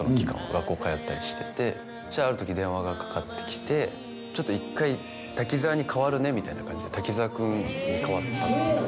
学校通ったりしててそしたらある時電話がかかってきてちょっと一回滝沢にかわるねみたいな感じで滝沢くんにかわったんですよ